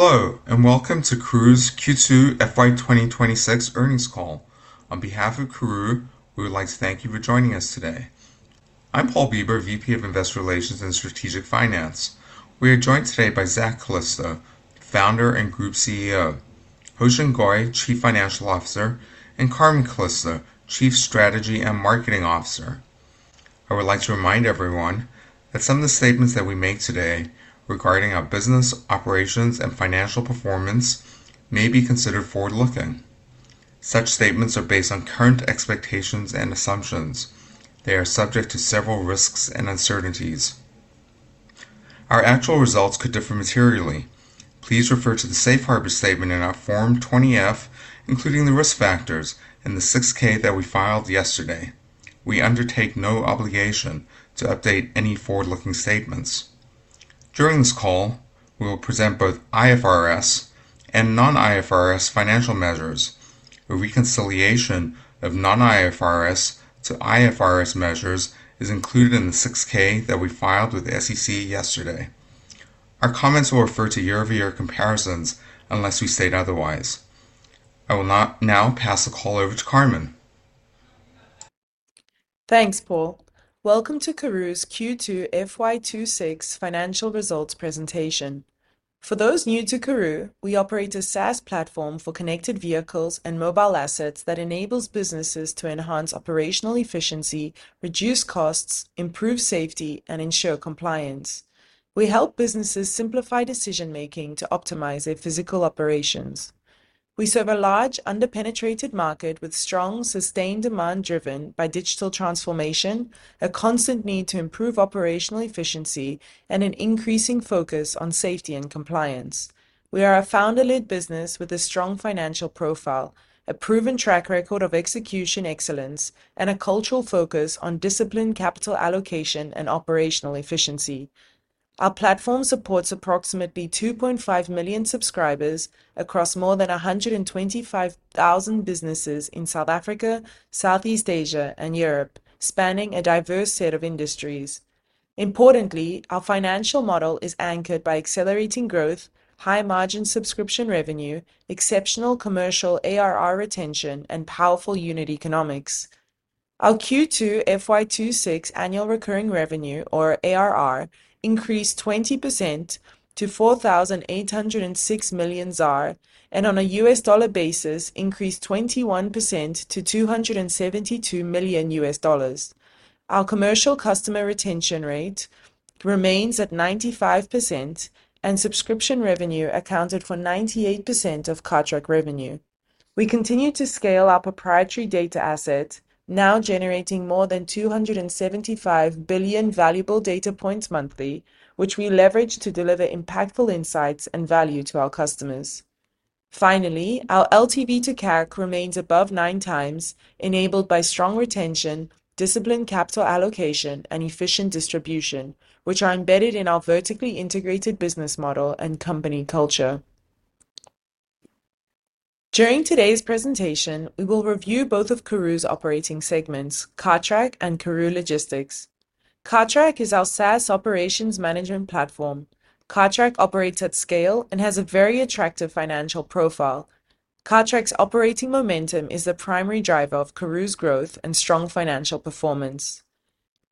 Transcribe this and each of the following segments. Hello and welcome to Karooooo's Q2 FY 2026 earnings call. On behalf of Karooooo, we would like to thank you for joining us today. I'm Paul Bieber, Vice President of Investor Relations and Strategic Finance. We are joined today by Zak Calisto, Founder and Group CEO, Hoeshin Goy, Chief Financial Officer, and Carmen Calisto, Chief Strategy and Marketing Officer. I would like to remind everyone that some of the statements that we make today regarding our business operations and financial performance may be considered forward-looking. Such statements are based on current expectations and assumptions. They are subject to several risks and uncertainties. Our actual results could differ materially. Please refer to the safe harbor statement in our Form 20-F, including the risk factors and the 6-K that we filed yesterday. We undertake no obligation to update any forward-looking statements. During this call, we will present both IFRS and non-IFRS financial measures. A reconciliation of non-IFRS to IFRS measures is included in the 6-K that we filed with the SEC yesterday. Our comments will refer to year-over-year comparisons unless we state otherwise. I will now pass the call over to Carmen. Thanks, Paul. Welcome to Karooooo's Q2 FY 2026 financial results presentation. For those new to Karooooo, we operate a SaaS platform for connected vehicles and mobile assets that enables businesses to enhance operational efficiency, reduce costs, improve safety, and ensure compliance. We help businesses simplify decision-making to optimize their physical operations. We serve a large, underpenetrated market with strong sustained demand driven by digital transformation, a constant need to improve operational efficiency, and an increasing focus on safety and compliance. We are a founder-led business with a strong financial profile, a proven track record of execution excellence, and a cultural focus on disciplined capital allocation and operational efficiency. Our platform supports approximately 2.5 million subscribers across more than 125,000 businesses in South Africa, Southeast Asia, and Europe, spanning a diverse set of industries. Importantly, our financial model is anchored by accelerating growth, high margin subscription revenue, exceptional commercial ARR retention, and powerful unit economics. Our Q2 FY 2026 annual recurring revenue, or ARR, increased 20% to 4,806 million ZAR, and on a U.S. dollar basis, increased 21% to $272 million. Our commercial customer retention rate remains at 95%, and subscription revenue accounted for 98% of Cartrack revenue. We continue to scale our proprietary data asset, now generating more than 275 billion valuable data points monthly, which we leverage to deliver impactful insights and value to our customers. Finally, our LTV to CAC remains above nine times, enabled by strong retention, disciplined capital allocation, and efficient distribution, which are embedded in our vertically integrated business model and company culture. During today's presentation, we will review both of Karooooo's operating segments, Cartrack and Karooooo Logistics. Cartrack is our SaaS operations management platform. Cartrack operates at scale and has a very attractive financial profile. Cartrack's operating momentum is the primary driver of Karooooo's growth and strong financial performance.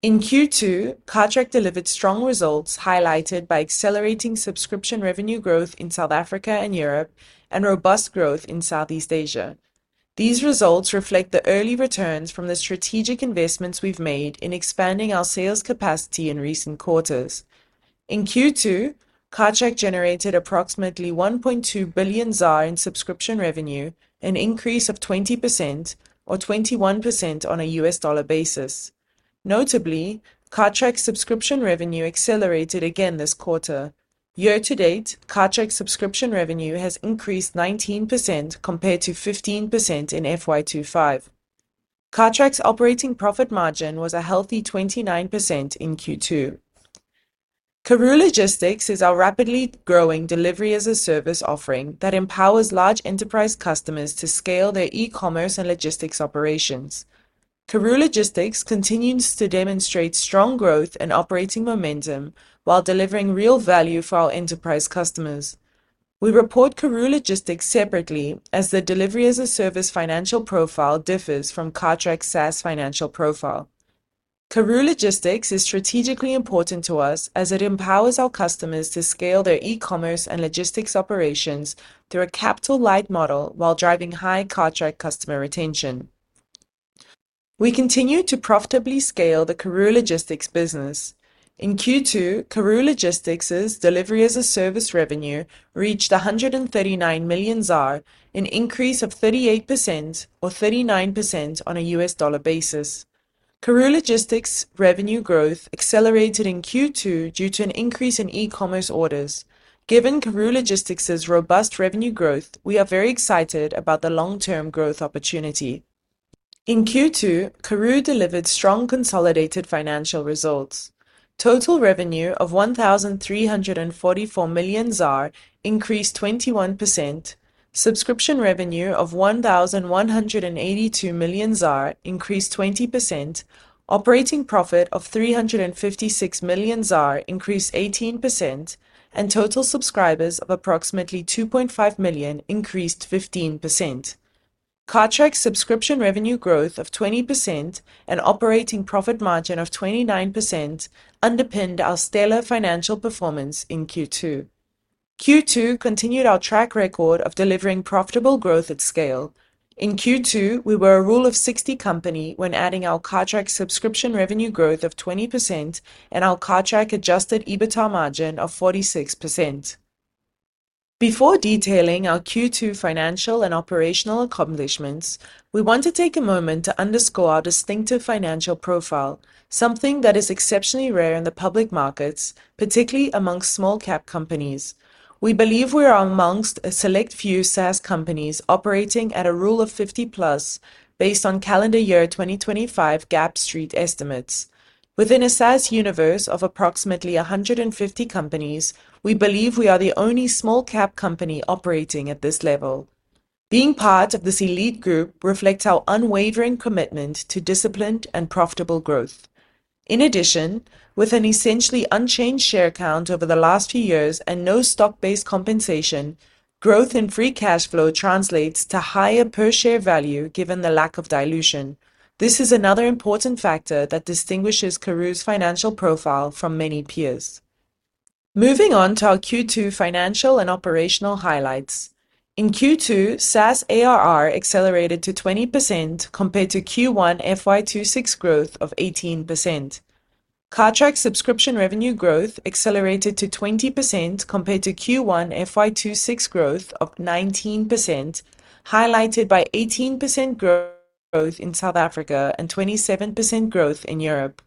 In Q2, Cartrack delivered strong results highlighted by accelerating subscription revenue growth in South Africa and Europe and robust growth in Southeast Asia. These results reflect the early returns from the strategic investments we've made in expanding our sales capacity in recent quarters. In Q2, Cartrack generated approximately 1.2 billion ZAR in subscription revenue, an increase of 20% or 21% on a U.S. dollar basis. Notably, Cartrack's subscription revenue accelerated again this quarter. Year to date, Cartrack's subscription revenue has increased 19% compared to 15% in FY2025. Cartrack's operating profit margin was a healthy 29% in Q2. Karooooo Logistics is our rapidly growing delivery-as-a-service offering that empowers large enterprise customers to scale their e-commerce and logistics operations. Karooooo Logistics continues to demonstrate strong growth and operating momentum while delivering real value for our enterprise customers. We report Karooooo Logistics separately as the delivery-as-a-service financial profile differs from Cartrack's SaaS financial profile. Karooooo Logistics is strategically important to us as it empowers our customers to scale their e-commerce and logistics operations through a capital-light model while driving high Cartrack customer retention. We continue to profitably scale the Karooooo Logistics business. In Q2, Karooooo Logistics's delivery-as-a-service revenue reached 139 million ZAR, an increase of 38% or 39% on a U.S. dollar basis. Karooooo Logistics's revenue growth accelerated in Q2 due to an increase in e-commerce orders. Given Karooooo Logistics's robust revenue growth, we are very excited about the long-term growth opportunity. In Q2, Karooooo delivered strong consolidated financial results. Total revenue of 1,344 million ZAR increased 21%, subscription revenue of 1,182 million ZAR increased 20%, operating profit of 356 million ZAR increased 18%, and total subscribers of approximately 2.5 million increased 15%. Cartrack's subscription revenue growth of 20% and operating profit margin of 29% underpinned our stellar financial performance in Q2. Q2 continued our track record of delivering profitable growth at scale. In Q2, we were a Rule of 60 company when adding our Cartrack subscription revenue growth of 20% and our Cartrack adjusted EBITDA margin of 46%. Before detailing our Q2 financial and operational accomplishments, we want to take a moment to underscore our distinctive financial profile, something that is exceptionally rare in the public markets, particularly amongst small-cap companies. We believe we are amongst a select few SaaS companies operating at a Rule of 50+ based on calendar year 2025 Gap Street estimates. Within a SaaS universe of approximately 150 companies, we believe we are the only small-cap company operating at this level. Being part of this elite group reflects our unwavering commitment to disciplined and profitable growth. In addition, with an essentially unchanged share count over the last few years and no stock-based compensation, growth in free cash flow translates to higher per share value given the lack of dilution. This is another important factor that distinguishes Karooooo's financial profile from many peers. Moving on to our Q2 financial and operational highlights. In Q2, SaaS ARR accelerated to 20% compared to Q1 FY 2026 growth of 18%. Cartrack subscription revenue growth accelerated to 20% compared to Q1 FY 2026 growth of 19%, highlighted by 18% growth in South Africa and 27% growth in Europe.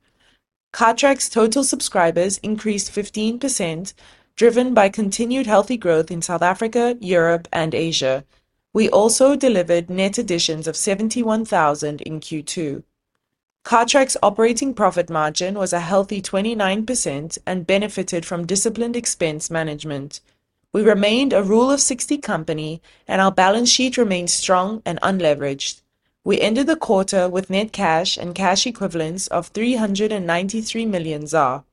Cartrack's total subscribers increased 15%, driven by continued healthy growth in South Africa, Europe, and Asia. We also delivered net additions of 71,000 in Q2. Cartrack's operating profit margin was a healthy 29% and benefited from disciplined expense management. We remained a Rule of 60 company, and our balance sheet remains strong and unleveraged. We ended the quarter with net cash and cash equivalents of 393 million ZAR.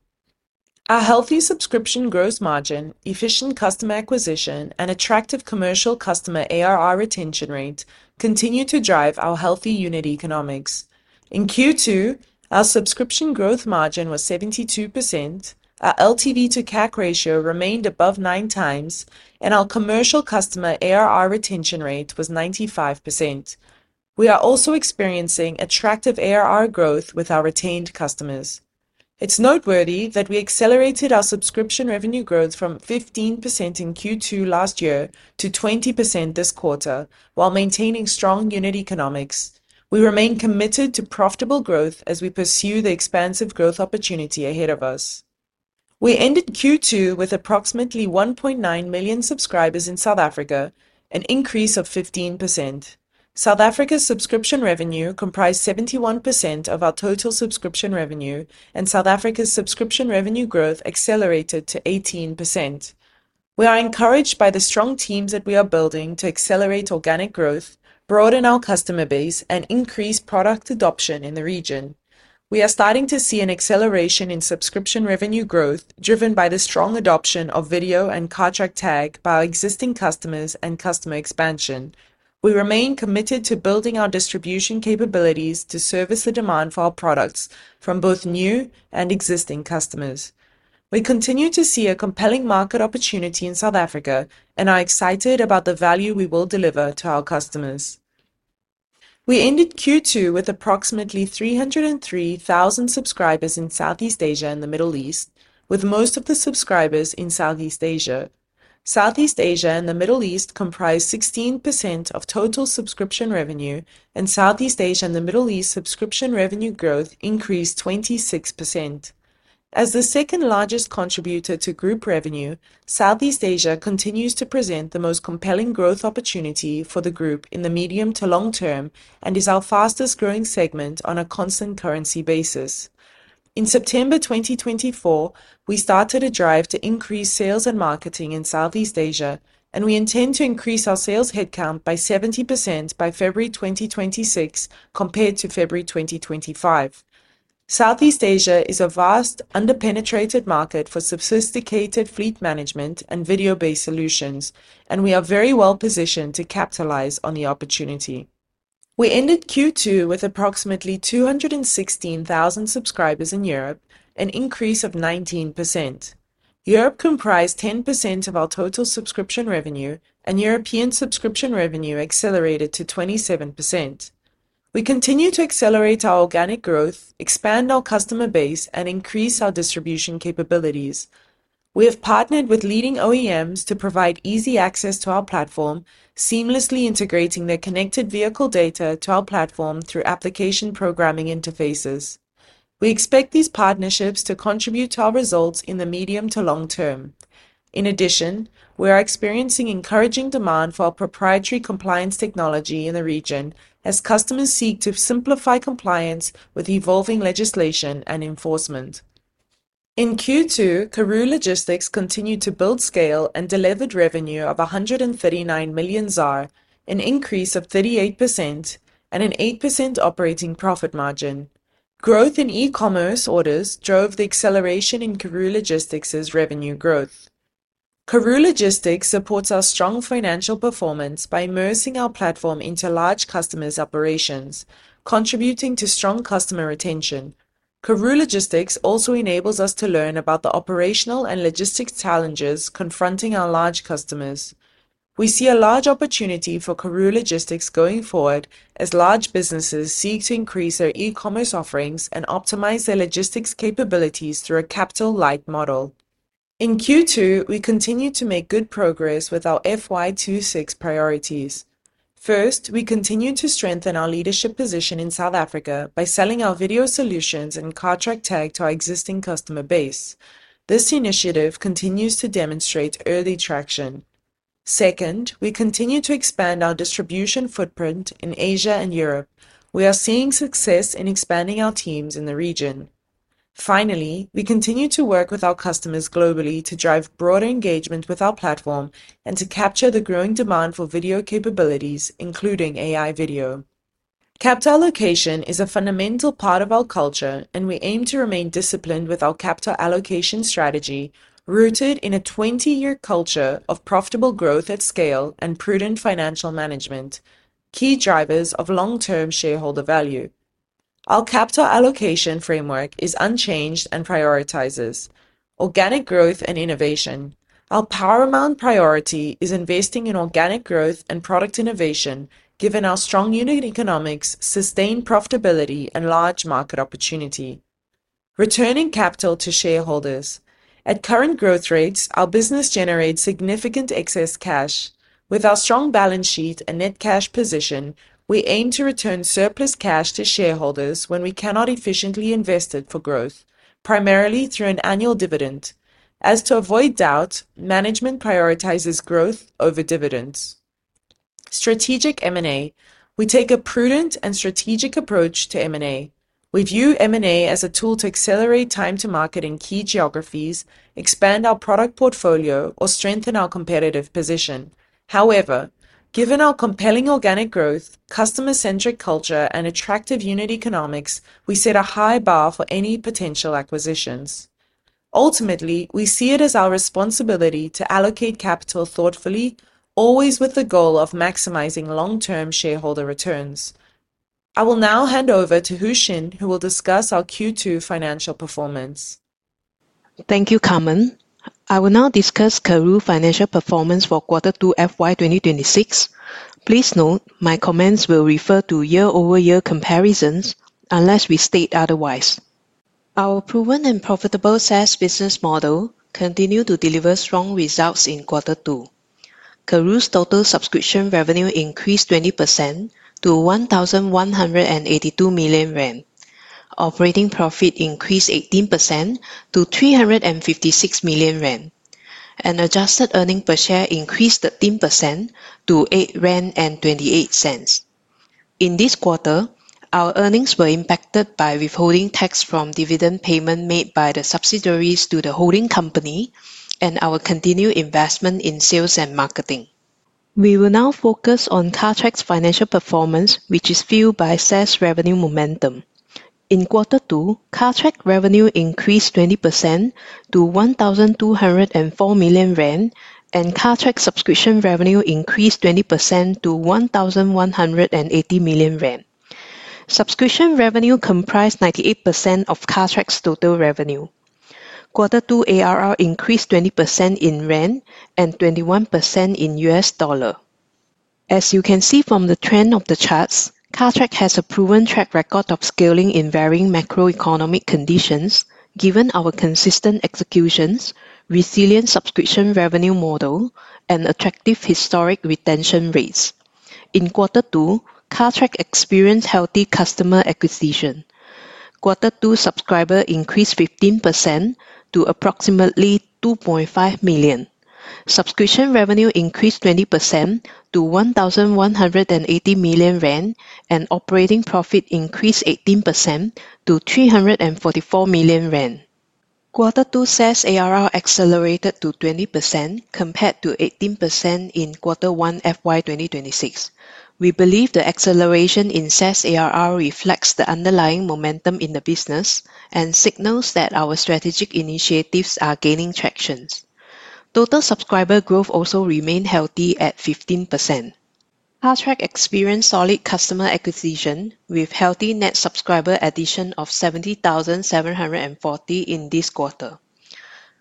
Our healthy subscription growth margin, efficient customer acquisition, and attractive commercial customer ARR retention rate continue to drive our healthy unit economics. In Q2, our subscription growth margin was 72%, our LTV to CAC ratio remained above nine times, and our commercial customer ARR retention rate was 95%. We are also experiencing attractive ARR growth with our retained customers. It's noteworthy that we accelerated our subscription revenue growth from 15% in Q2 last year to 20% this quarter, while maintaining strong unit economics. We remain committed to profitable growth as we pursue the expansive growth opportunity ahead of us. We ended Q2 with approximately 1.9 million subscribers in South Africa, an increase of 15%. South Africa's subscription revenue comprised 71% of our total subscription revenue, and South Africa's subscription revenue growth accelerated to 18%. We are encouraged by the strong teams that we are building to accelerate organic growth, broaden our customer base, and increase product adoption in the region. We are starting to see an acceleration in subscription revenue growth, driven by the strong adoption of video solutions and Cartrack tag by our existing customers and customer expansion. We remain committed to building our distribution capabilities to service the demand for our products from both new and existing customers. We continue to see a compelling market opportunity in South Africa and are excited about the value we will deliver to our customers. We ended Q2 with approximately 303,000 subscribers in Southeast Asia and the Middle East, with most of the subscribers in Southeast Asia. Southeast Asia and the Middle East comprise 16% of total subscription revenue, and Southeast Asia and the Middle East subscription revenue growth increased 26%. As the second largest contributor to group revenue, Southeast Asia continues to present the most compelling growth opportunity for the group in the medium to long term and is our fastest growing segment on a constant currency basis. In September 2024, we started a drive to increase sales and marketing in Southeast Asia, and we intend to increase our sales headcount by 70% by February 2026 compared to February 2025. Southeast Asia is a vast, underpenetrated market for sophisticated fleet management and video solutions, and we are very well positioned to capitalize on the opportunity. We ended Q2 with approximately 216,000 subscribers in Europe, an increase of 19%. Europe comprised 10% of our total subscription revenue, and European subscription revenue accelerated to 27%. We continue to accelerate our organic growth, expand our customer base, and increase our distribution capabilities. We have partnered with leading OEMs to provide easy access to our platform, seamlessly integrating their connected vehicle data to our platform through application programming interfaces. We expect these partnerships to contribute to our results in the medium to long term. In addition, we are experiencing encouraging demand for our proprietary compliance technology in the region as customers seek to simplify compliance with evolving legislation and enforcement. In Q2, Karooooo Logistics continued to build scale and delivered revenue of 139 million ZAR, an increase of 38%, and an 8% operating profit margin. Growth in e-commerce orders drove the acceleration in Karooooo Logistics's revenue growth. Karooooo Logistics supports our strong financial performance by immersing our platform into large customers' operations, contributing to strong customer retention. Karooooo Logistics also enables us to learn about the operational and logistics challenges confronting our large customers. We see a large opportunity for Karooooo Logistics going forward as large businesses seek to increase their e-commerce offerings and optimize their logistics capabilities through a capital-light model. In Q2, we continue to make good progress with our FY 2026 priorities. First, we continue to strengthen our leadership position in South Africa by selling our video solutions and Cartrack tag to our existing customer base. This initiative continues to demonstrate early traction. Second, we continue to expand our distribution footprint in Southeast Asia and Europe. We are seeing success in expanding our teams in the region. Finally, we continue to work with our customers globally to drive broader engagement with our platform and to capture the growing demand for video capabilities, including AI video. Capital allocation is a fundamental part of our culture, and we aim to remain disciplined with our capital allocation strategy, rooted in a 20-year culture of profitable growth at scale and prudent financial management, key drivers of long-term shareholder value. Our capital allocation framework is unchanged and prioritizes organic growth and innovation. Our paramount priority is investing in organic growth and product innovation, given our strong unit economics, sustained profitability, and large market opportunity. Returning capital to shareholders. At current growth rates, our business generates significant excess cash. With our strong balance sheet and net cash position, we aim to return surplus cash to shareholders when we cannot efficiently invest it for growth, primarily through an annual dividend. To avoid doubt, management prioritizes growth over dividends. Strategic M&A. We take a prudent and strategic approach to M&A. We view M&A as a tool to accelerate time-to-market in key geographies, expand our product portfolio, or strengthen our competitive position. However, given our compelling organic growth, customer-centric culture, and attractive unit economics, we set a high bar for any potential acquisitions. Ultimately, we see it as our responsibility to allocate capital thoughtfully, always with the goal of maximizing long-term shareholder returns. I will now hand over to Hoeshin, who will discuss our Q2 financial performance. Thank you, Carmen. I will now discuss Karooooo's financial performance for Q2 FY 2026. Please note my comments will refer to year-over-year comparisons unless we state otherwise. Our proven and profitable SaaS business model continues to deliver strong results in quarter two. Karooooo's total subscription revenue increased 20% to 1,182 million. Operating profit increased 18% to 356 million, and adjusted earnings per share increased 13% to 8.28. In this quarter, our earnings were impacted by withholding tax from dividend payment made by the subsidiaries to the holding company, and our continued investment in sales and marketing. We will now focus on Cartrack's financial performance, which is fueled by SaaS revenue momentum. In Q2, Cartrack revenue increased 20% to 1,204 million rand, and Cartrack subscription revenue increased 20% to 1,180 million rand. Subscription revenue comprised 98% of Cartrack's total revenue. Q2 ARR increased 20% in ZAR and 21% in U.S. dollars. As you can see from the trend of the charts, Cartrack has a proven track record of scaling in varying macroeconomic conditions, given our consistent executions, resilient subscription revenue model, and attractive historic retention rates. In Q2, Cartrack experienced healthy customer acquisition. Q2 subscriber increased 15% to approximately 2.5 million. Subscription revenue increased 20% to $1,180 million, and operating profit increased 18% to 344 million rand. Q2 SaaS ARR accelerated to 20% compared to 18% in Q1 FY 2026. We believe the acceleration in SaaS ARR reflects the underlying momentum in the business and signals that our strategic initiatives are gaining traction. Total subscriber growth also remained healthy at 15%. Cartrack experienced solid customer acquisition, with healthy net subscriber additions of 70,740 in this quarter.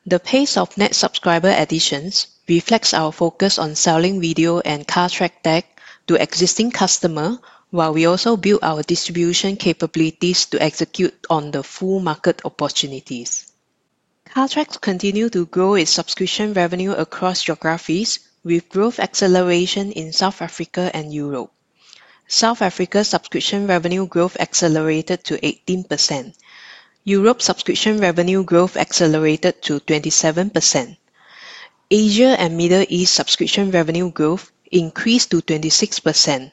The pace of net subscriber additions reflects our focus on selling video solutions and Cartrack tag to existing customers, while we also build our distribution capabilities to execute on the full market opportunities. Cartrack continues to grow its subscription revenue across geographies, with growth acceleration in South Africa and Europe. South Africa's subscription revenue growth accelerated to 18%. Europe's subscription revenue growth accelerated to 27%. Southeast Asia and Middle East subscription revenue growth increased to 26%.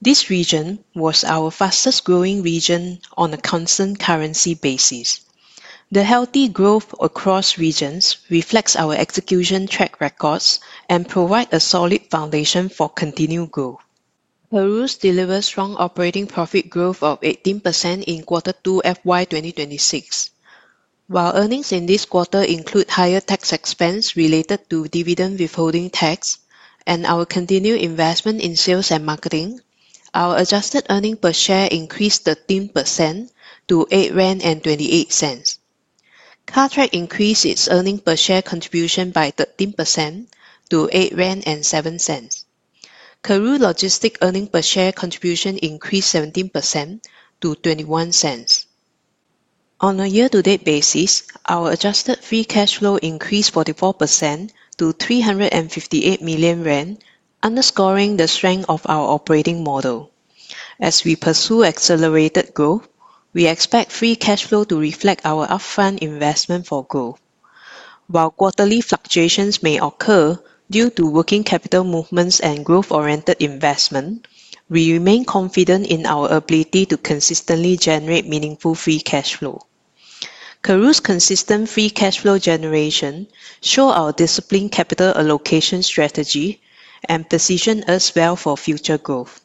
This region was our fastest growing region on a constant currency basis. The healthy growth across regions reflects our execution track records and provides a solid foundation for continued growth. Karooooo delivers strong operating profit growth of 18% in Q2 FY 2026. While earnings in this quarter include higher tax expense related to dividend withholding tax and our continued investment in sales and marketing, our adjusted earnings per share increased 13% to 8.28 rand. Cartrack increased its earnings per share contribution by 13% to ZAR 8.07. Karooooo Logistics' earnings per share contribution increased 17% to 0.21. On a year-to-date basis, our adjusted free cash flow increased 44% to 358 million rand, underscoring the strength of our operating model. As we pursue accelerated growth, we expect free cash flow to reflect our upfront investment for growth. While quarterly fluctuations may occur due to working capital movements and growth-oriented investment, we remain confident in our ability to consistently generate meaningful free cash flow. Karooooo's consistent free cash flow generation shows our disciplined capital allocation strategy and positions us well for future growth.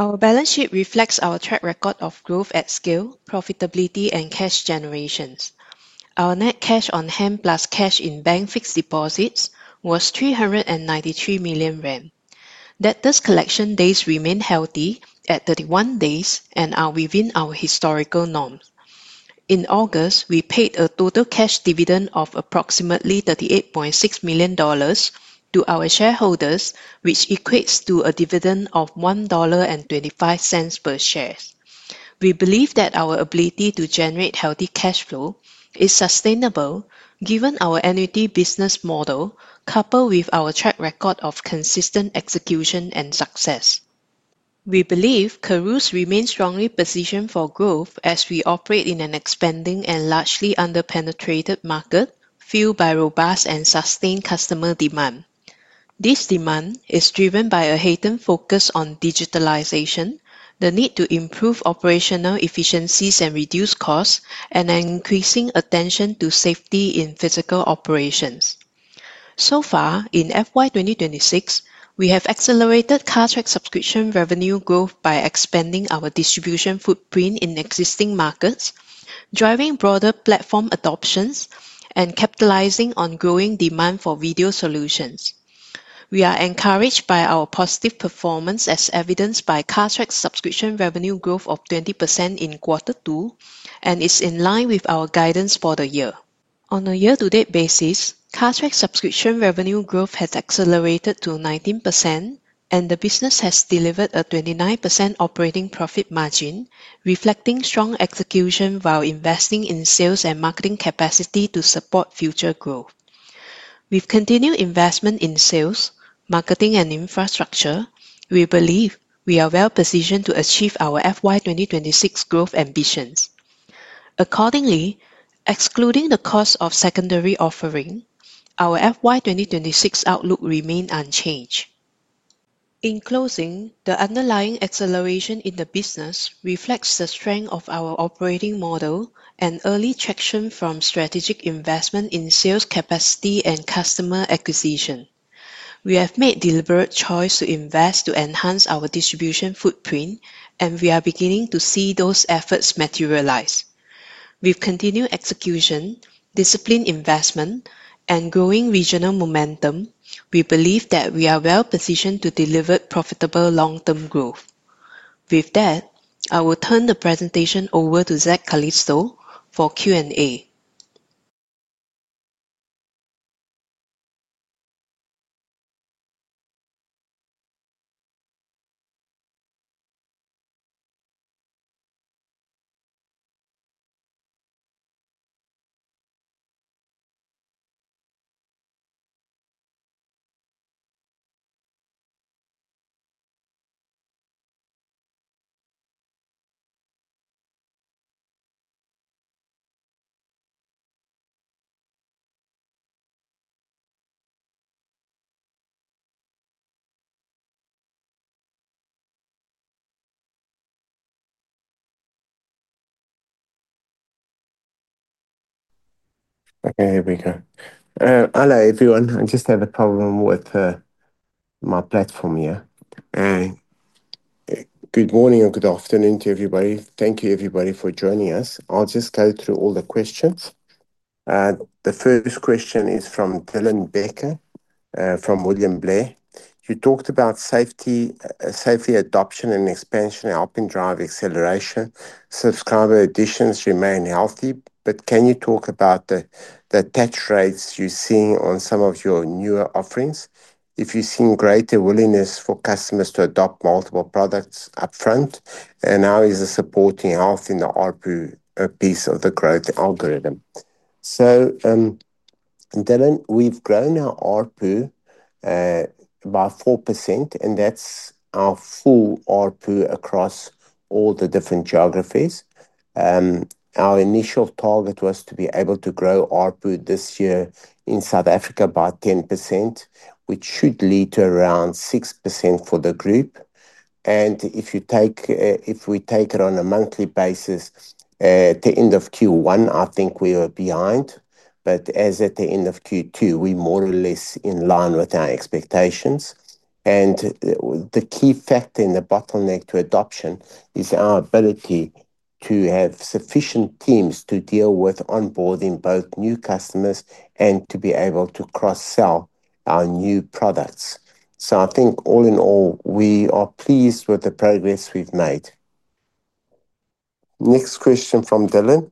Our balance sheet reflects our track record of growth at scale, profitability, and cash generation. Our net cash on hand plus cash in bank fixed deposits was 393 million. Debtors' collection days remain healthy at 31 days and are within our historical norms. In August, we paid a total cash dividend of approximately $38.6 million to our shareholders, which equates to a dividend of $1.25 per share. We believe that our ability to generate healthy cash flow is sustainable, given our annuity business model coupled with our track record of consistent execution and success. We believe Karooooo remains strongly positioned for growth as we operate in an expanding and largely underpenetrated market fueled by robust and sustained customer demand. This demand is driven by a heightened focus on digitalization, the need to improve operational efficiencies and reduce costs, and an increasing attention to safety in physical operations. In FY 2026, we have accelerated Cartrack subscription revenue growth by expanding our distribution footprint in existing markets, driving broader platform adoption, and capitalizing on growing demand for video solutions. We are encouraged by our positive performance as evidenced by Cartrack's subscription revenue growth of 20% in Q2, and it is in line with our guidance for the year. On a year-to-date basis, Cartrack's subscription revenue growth has accelerated to 19%, and the business has delivered a 29% operating profit margin, reflecting strong execution while investing in sales and marketing capacity to support future growth. With continued investment in sales, marketing, and infrastructure, we believe we are well positioned to achieve our FY 2026 growth ambitions. Accordingly, excluding the cost of secondary offering, our FY 2026 outlook remains unchanged. In closing, the underlying acceleration in the business reflects the strength of our operating model and early traction from strategic investment in sales capacity and customer acquisition. We have made a deliberate choice to invest to enhance our distribution footprint, and we are beginning to see those efforts materialize. With continued execution, disciplined investment, and growing regional momentum, we believe that we are well positioned to deliver profitable long-term growth. With that, I will turn the presentation over to Zak Calisto for Q&A. Okay, everyone. Hello, everyone. I just had a problem with my platform here. Good morning or good afternoon to everybody. Thank you, everybody, for joining us. I'll just go through all the questions. The first question is from Dylan Becker from William Blair. You talked about safety adoption and expansion helping drive acceleration. Subscriber additions remain healthy, but can you talk about the touch rates you see on some of your newer offerings? If you've seen greater willingness for customers to adopt multiple products upfront, and how is the supporting health in the ARPU piece of the growth algorithm? Dylan, we've grown our ARPU by 4%, and that's our full ARPU across all the different geographies. Our initial target was to be able to grow ARPU this year in South Africa by 10%, which should lead to around 6% for the group. If you take it on a monthly basis, at the end of Q1, I think we were behind. As at the end of Q2, we are more or less in line with our expectations. The key factor in the bottleneck to adoption is our ability to have sufficient teams to deal with onboarding both new customers and to be able to cross-sell our new products. I think all in all, we are pleased with the progress we've made. Next question from Dylan.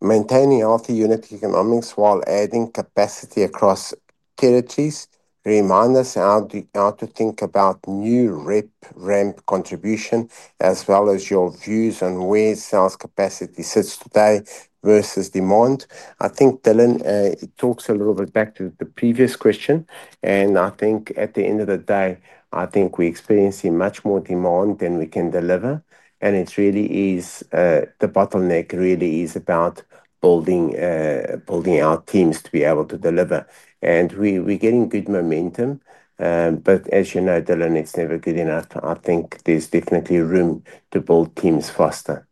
Maintaining healthy unit economics while adding capacity across territories reminds us how to think about new [Rep Ramp] contribution, as well as your views on where sales capacity sits today versus demand. I think Dylan talks a little bit back to the previous question, and I think at the end of the day, we're experiencing much more demand than we can deliver. It really is, the bottleneck really is about building our teams to be able to deliver. We're getting good momentum. As you know, Dylan, it's never good enough. I think there's definitely room to build teams faster.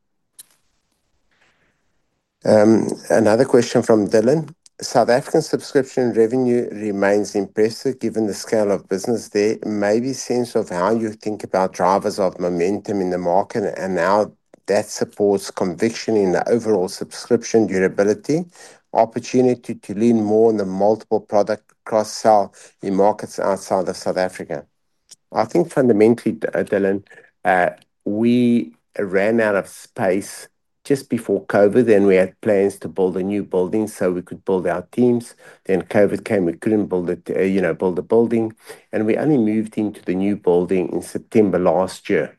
Another question from Dylan. South African subscription revenue remains impressive given the scale of business there. Maybe sense of how you think about drivers of momentum in the market and how that supports conviction in the overall subscription durability, opportunity to lean more on the multiple product cross-sell in markets outside of South Africa. I think fundamentally, Dylan, we ran out of space just before COVID, and we had plans to build a new building so we could build our teams. COVID came, we couldn't build it, you know, build a building. We only moved into the new building in September last year.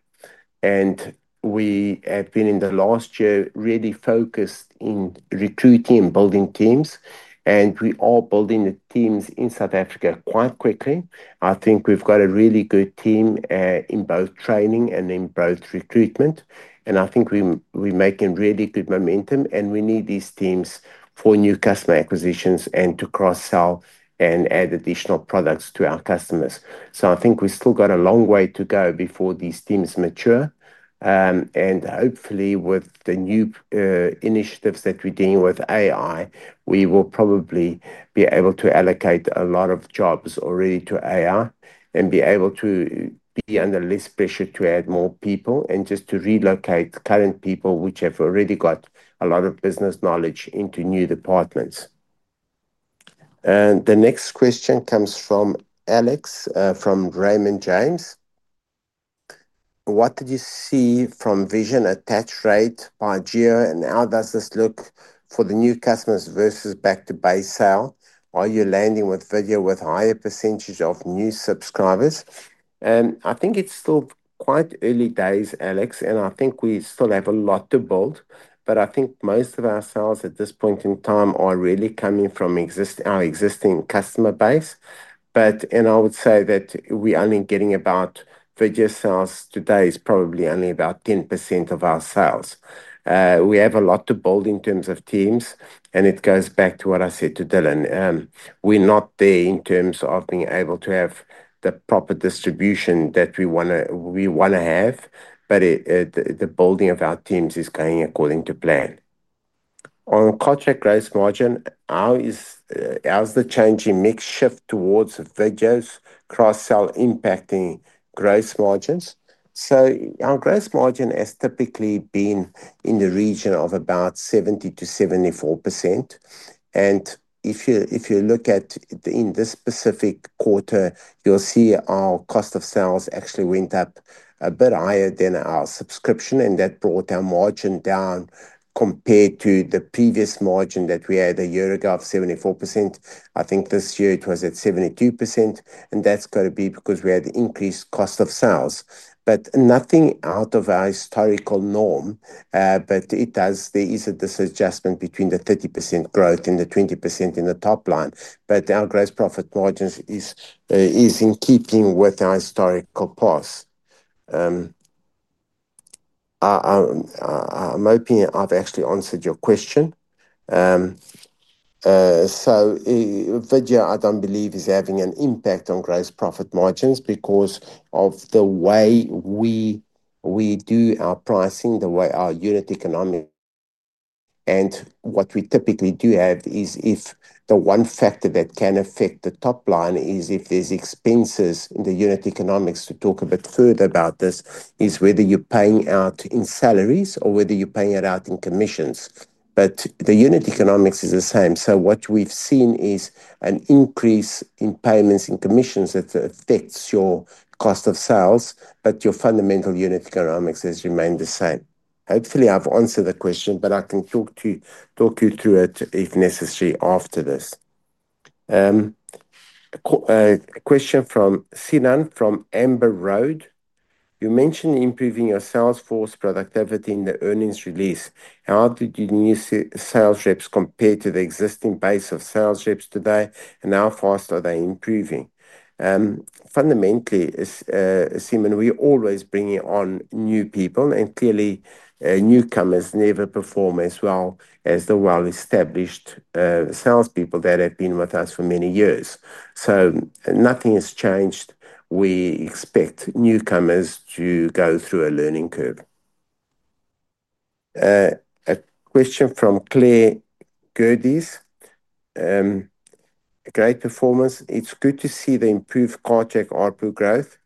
We have been in the last year really focused in recruiting and building teams. We are building the teams in South Africa quite quickly. I think we've got a really good team in both training and in both recruitment. I think we're making really good momentum, and we need these teams for new customer acquisitions and to cross-sell and add additional products to our customers. I think we've still got a long way to go before these teams mature. Hopefully, with the new initiatives that we're dealing with AI, we will probably be able to allocate a lot of jobs already to AI and be able to be under less pressure to add more people and just to relocate current people which have already got a lot of business knowledge into new departments. The next question comes from Alex from Raymond James. What did you see from vision attach rate by Jira and how does this look for the new customers versus back-to-base sale? Are you landing with video with a higher percentage of new subscribers? I think it's still quite early days, Alex, and I think we still have a lot to build. I think most of our sales at this point in time are really coming from our existing customer base. I would say that we're only getting about video sales today, probably only about 10% of our sales. We have a lot to build in terms of teams, and it goes back to what I said to Dylan. We're not there in terms of being able to have the proper distribution that we want to have, but the building of our teams is going according to plan. On contract gross margin, how is the changing mix shift towards videos cross-sell impacting gross margins? Our gross margin has typically been in the region of about 70%-74%. If you look at in this specific quarter, you'll see our cost of sales actually went up a bit higher than our subscription, and that brought our margin down compared to the previous margin that we had a year ago of 74%. I think this year it was at 72%, and that's got to be because we had increased cost of sales. Nothing out of our historical norm, but there is a disadjustment between the 30% growth and the 20% in the top line. Our gross profit margins are in keeping with our historical costs. I'm hoping I've actually answered your question. Video, I don't believe, is having an impact on gross profit margins because of the way we do our pricing, the way our unit economics. What we typically do have is if the one factor that can affect the top line is if there's expenses in the unit economics. To talk a bit further about this is whether you're paying out in salaries or whether you're paying it out in commissions. The unit economics is the same. What we've seen is an increase in payments and commissions that affects your cost of sales, but your fundamental unit economics has remained the same. Hopefully, I've answered the question, but I can talk to you through it if necessary after this. Question from Sinan from Amber Road. You mentioned improving your sales force productivity in the earnings release. How did your new sales reps compare to the existing base of sales reps today, and how fast are they improving? Fundamentally, Sinan, we're always bringing on new people, and clearly newcomers never perform as well as the well-established salespeople that have been with us for many years. Nothing has changed. We expect newcomers to go through a learning curve. A question from Claire Gurdies, great performance. It's good to see the improved Cartrack ARPU growth.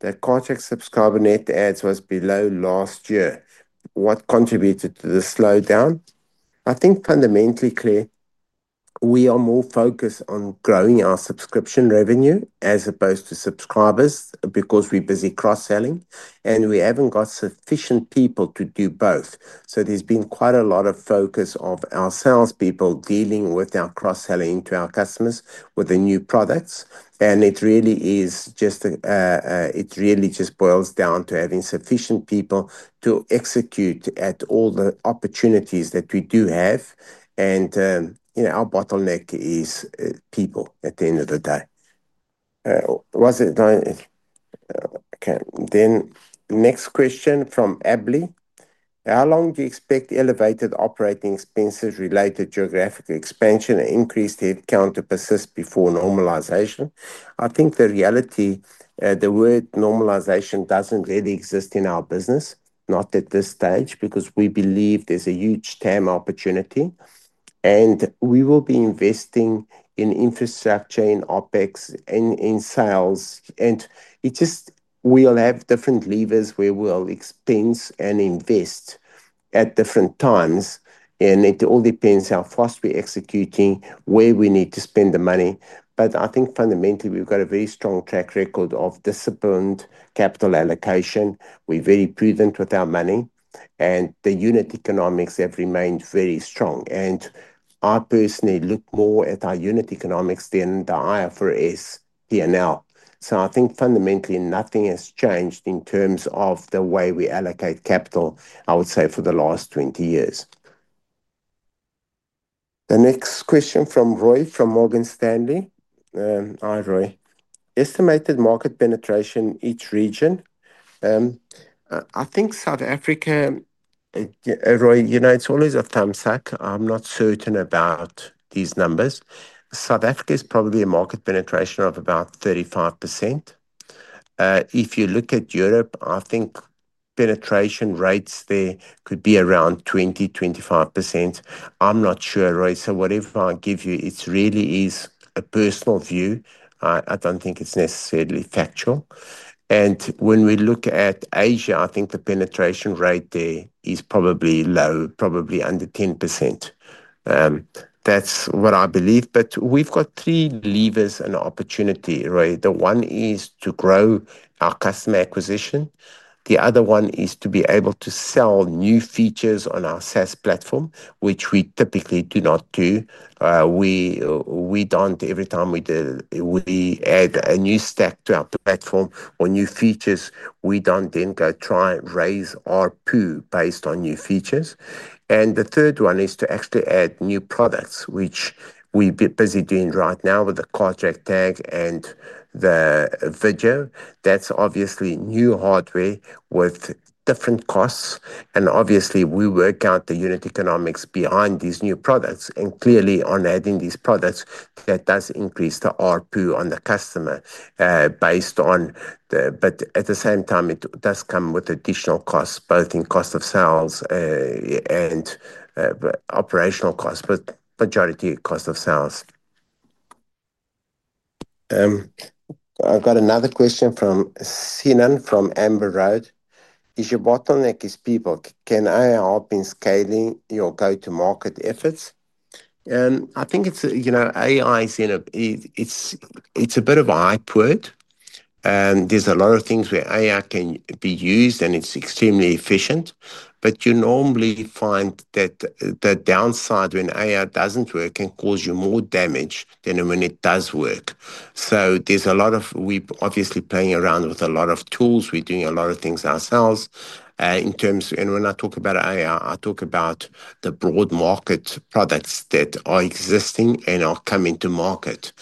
The Cartrack subscriber net adds was below last year. What contributed to the slowdown? I think fundamentally, Claire, we are more focused on growing our subscription revenue as opposed to subscribers because we're busy cross-selling, and we haven't got sufficient people to do both. There's been quite a lot of focus on our salespeople dealing with our cross-selling to our customers with the new products. It really just boils down to having sufficient people to execute at all the opportunities that we do have. Our bottleneck is people at the end of the day. Next question from Ably. How long do you expect elevated operating expenses related to geographical expansion and increased headcount to persist before normalization? I think the reality, the word normalization doesn't really exist in our business, not at this stage because we believe there's a huge TAM opportunity. We will be investing in infrastructure, in OpEx, and in sales. We will have different levers where we'll expense and invest at different times. It all depends how fast we're executing, where we need to spend the money. I think fundamentally we've got a very strong track record of disciplined capital allocation. We're very prudent with our money. The unit economics have remained very strong. I personally look more at our unit economics than the IFRS P&L. I think fundamentally nothing has changed in terms of the way we allocate capital, I would say, for the last 20 years. The next question from Roy from Morgan Stanley. Hi Roy. Estimated market penetration in each region. I think South Africa, Roy, you know, it's always a thumbs up. I'm not certain about these numbers. South Africa is probably a market penetration of about 35%. If you look at Europe, I think penetration rates there could be around 20%-25%. I'm not sure, Roy. Whatever I give you, it really is a personal view. I don't think it's necessarily factual. When we look at Asia, I think the penetration rate there is probably low, probably under 10%. That's what I believe. We've got three levers and opportunities, Roy. One is to grow our customer acquisition. The other one is to be able to sell new features on our SaaS platform, which we typically do not do. We don't, every time we add a new stack to our platform or new features, we don't then go try and raise ARPU based on new features. The third one is to actually add new products, which we're busy doing right now with the Cartrack tag and the video solutions. That's obviously new hardware with different costs. We work out the unit economics behind these new products. Clearly, on adding these products, that does increase the ARPU on the customer, but at the same time, it does come with additional costs, both in cost of sales and operational costs, but majority cost of sales. I've got another question from Sinan from Amber Road. If your bottleneck is people, can AI help in scaling your go-to-market efforts? AI is a bit of a [upward]. There are a lot of things where AI can be used, and it's extremely efficient. You normally find that the downside when AI doesn't work can cause you more damage than when it does work. There are a lot of, we're obviously playing around with a lot of tools. We're doing a lot of things ourselves. When I talk about AI, I talk about the broad market products that are existing and are coming to market.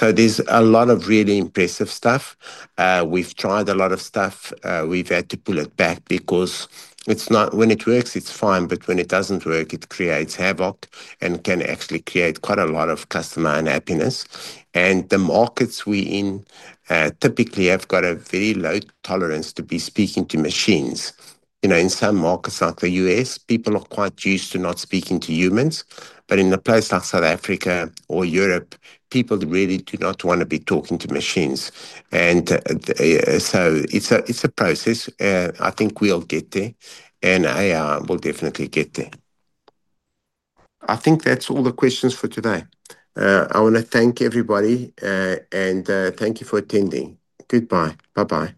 There is a lot of really impressive stuff. We've tried a lot of stuff. We've had to pull it back because it's not, when it works, it's fine, but when it doesn't work, it creates havoc and can actually create quite a lot of customer unhappiness. The markets we're in typically have got a very low tolerance to be speaking to machines. You know, in some markets like the U.S., people are quite used to not speaking to humans. In a place like South Africa or Europe, people really do not want to be talking to machines. It's a process. I think we'll get there, and AI will definitely get there. I think that's all the questions for today. I want to thank everybody, and thank you for attending. Goodbye. Bye-bye.